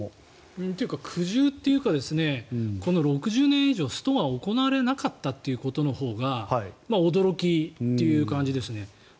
というか苦渋というかこの６０年以上ストが行われなかったということのほうが驚きという感じですね。